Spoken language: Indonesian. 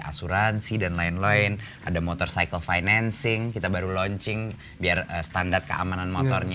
asuransi dan lain lain ada motor cycle financing kita baru launching biar standar keamanan motornya